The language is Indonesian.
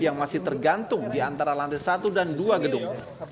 yang masih tergantung di antara lantai satu dan dua gedung